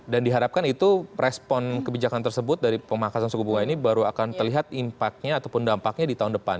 dan diharapkan itu respon kebijakan tersebut dari pemakasan suguh bunga ini baru akan terlihat impact nya ataupun dampaknya di tahun depan